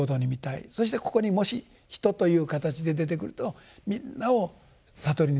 そしてここにもし人という形で出てくるとみんなを悟りに導きたいんだと。